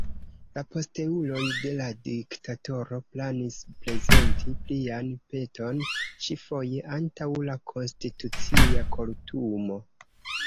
La posteuloj de la diktatoro planis prezenti plian peton, ĉi-foje antaŭ la Konstitucia Kortumo.